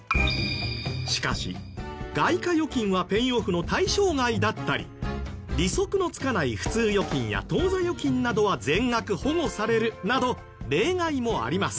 しかし外貨預金はペイオフの対象外だったり利息の付かない普通預金や当座預金などは全額保護されるなど例外もあります。